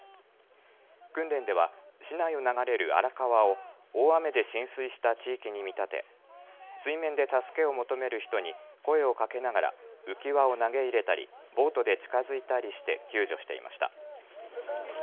訓練では市内を流れる荒川を大雨で浸水した地域に見立て水面で助けを求める人に声をかけながら浮き輪を投げ入れたりボートで近づいたりして救助していました。